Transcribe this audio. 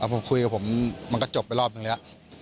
ผมคุยกับผมมันก็จบไปรอบนึงแล้ว